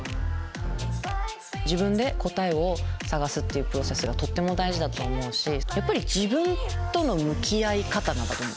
自分で答えを探すっていうプロセスが、とっても大事だと思うし、やっぱり自分との向き合い方だと思う。